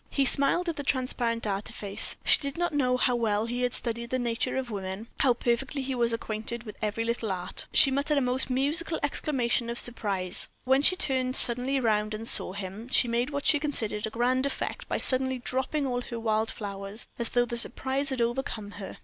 He smiled at the transparent artifice. She did not know how well he had studied the nature of woman, how perfectly he was acquainted with every little art. She muttered a most musical exclamation of surprise. When she turned suddenly round and saw him, she made what she considered a grand effect by suddenly dropping all her wild flowers, as though the surprise had overcome her.